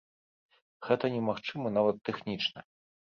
Гэта немагчыма нават тэхнічна.